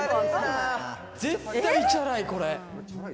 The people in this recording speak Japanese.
絶対チャラいこれ。